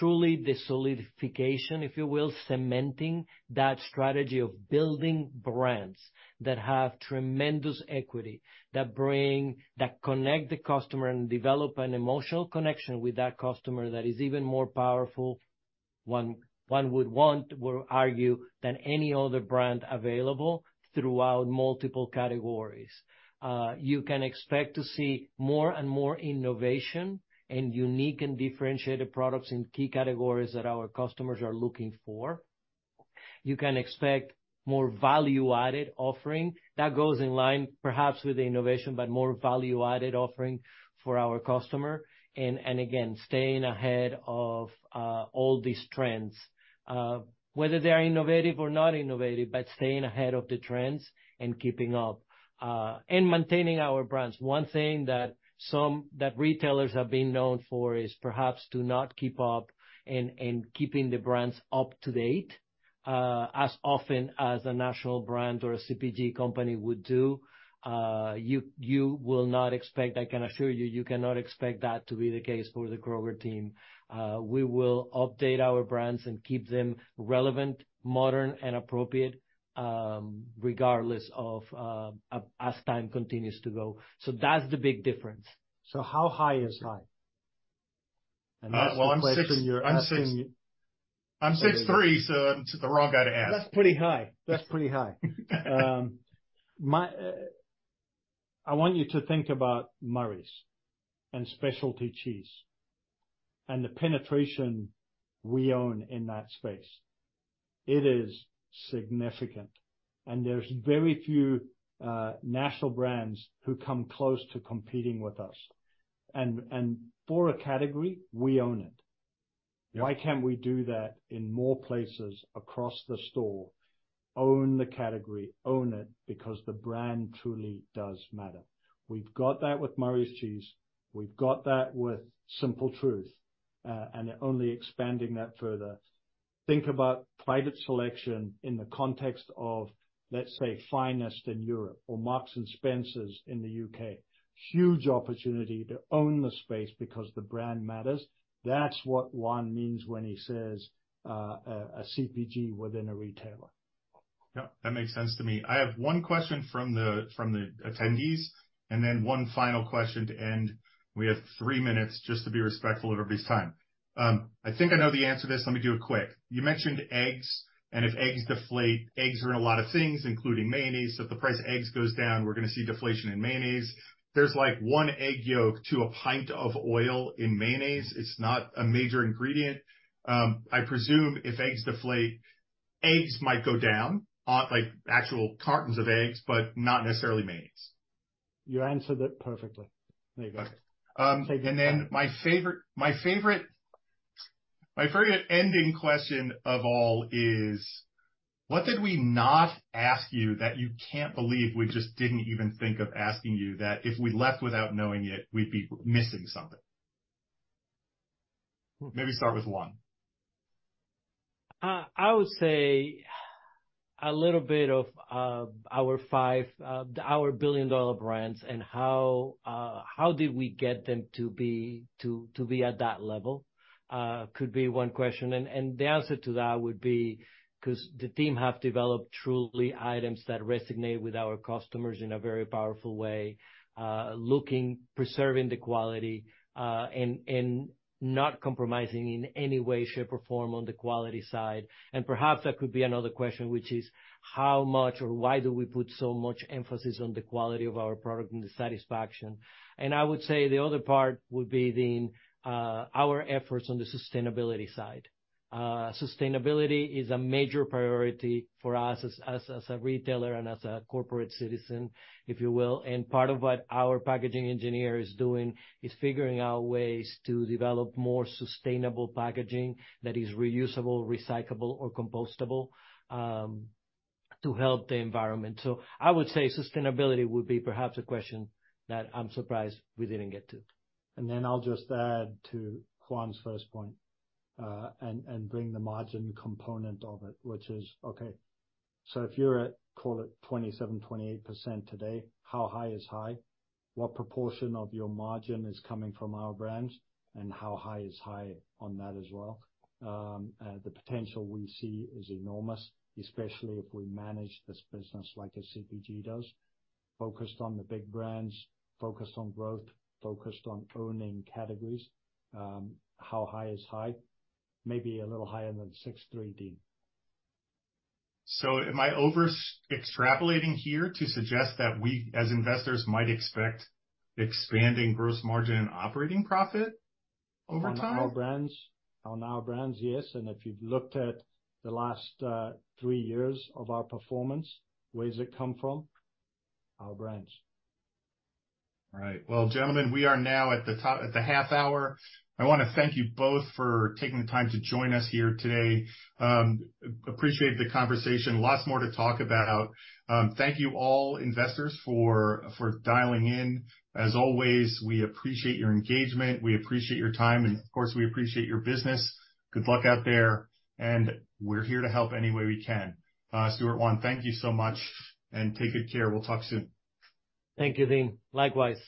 truly the solidification, if you will, cementing that strategy of building brands that have tremendous equity, that bring, that connect the customer and develop an emotional connection with that customer that is even more powerful, one would argue, than any other brand available throughout multiple categories. You can expect to see more and more innovation and unique and differentiated products in key categories that our customers are looking for. You can expect more value-added offering. That goes in line, perhaps with the innovation, but more value-added offering for our customer, and again, staying ahead of all these trends, whether they are innovative or not innovative, but staying ahead of the trends and keeping up and maintaining Our Brands. One thing that some retailers have been known for is perhaps to not keep up and keeping the brands up to date as often as a national brand or a CPG company would do. You will not expect, I can assure you, you cannot expect that to be the case for the Kroger team. We will update Our Brands and keep them relevant, modern, and appropriate, regardless of, as time continues to go. So that's the big difference. How high is high? That's the question you're asking me. Well, I'm 6, I'm 6 3, so the wrong guy to ask. That's pretty high. That's pretty high. I want you to think about Murray's and specialty cheese and the penetration we own in that space. It is significant, and there's very few national brands who come close to competing with us. And for a category, we own it. Yeah. Why can't we do that in more places across the store? Own the category, own it, because the brand truly does matter. We've got that with Murray's Cheese, we've got that with Simple Truth, and they're only expanding that further. Think about Private Selection in the context of, let's say, Finest in Europe or Marks & Spencer in the UK. Huge opportunity to own the space because the brand matters. That's what Juan means when he says, a CPG within a retailer. Yep, that makes sense to me. I have one question from the attendees, and then one final question to end. We have three minutes, just to be respectful of everybody's time. I think I know the answer to this. Let me do it quick. You mentioned eggs, and if eggs deflate, eggs are in a lot of things, including mayonnaise. So if the price of eggs goes down, we're gonna see deflation in mayonnaise. There's like one egg yolk to a pint of oil in mayonnaise. It's not a major ingredient. I presume if eggs deflate, eggs might go down on, like, actual cartons of eggs, but not necessarily mayonnaise. You answered it perfectly. There you go. And then my favorite, my favorite, my favorite ending question of all is: what did we not ask you that you can't believe we just didn't even think of asking you, that if we left without knowing it, we'd be missing something? Maybe start with Juan. I would say a little bit of, our five, our billion-dollar brands, and how, how did we get them to be, to, to be at that level? Could be one question, and the answer to that would be, 'cause the team have developed truly items that resonate with our customers in a very powerful way, looking, preserving the quality, and not compromising in any way, shape, or form on the quality side. And perhaps that could be another question, which is: How much or why do we put so much emphasis on the quality of our product and the satisfaction? And I would say the other part would be the, our efforts on the sustainability side. Sustainability is a major priority for us as a retailer and as a corporate citizen, if you will, and part of what our packaging engineer is doing is figuring out ways to develop more sustainable packaging that is reusable, recyclable, or compostable, to help the environment. So I would say sustainability would be perhaps a question that I'm surprised we didn't get to. And then I'll just add to Juan's first point, and bring the margin component of it, which is, okay, so if you're at, call it 27-28% today, how high is high? What proportion of your margin is coming from Our Brands, and how high is high on that as well? The potential we see is enormous, especially if we manage this business like a CPG does, focused on the big brands, focused on growth, focused on owning categories. How high is high? Maybe a little higher than 63, Dean. So am I over extrapolating here to suggest that we, as investors, might expect expanding gross margin and operating profit over time? On Our Brands? On Our Brands, yes, and if you've looked at the last three years of our performance, where does it come from? Our Brands. All right. Well, gentlemen, we are now at the half hour. I wanna thank you both for taking the time to join us here today. Appreciate the conversation. Lots more to talk about. Thank you, all investors, for dialing in. As always, we appreciate your engagement, we appreciate your time, and of course, we appreciate your business. Good luck out there, and we're here to help any way we can. Stuart, Juan, thank you so much, and take good care. We'll talk soon. Thank you, Dean. Likewise.